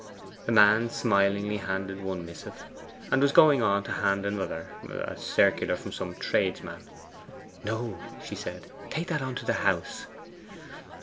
The man smilingly handed one missive, and was going on to hand another, a circular from some tradesman. 'No,' she said; 'take that on to the house.